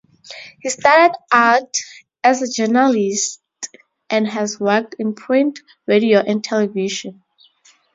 He started out as a journalist and has worked in print, radio, and television.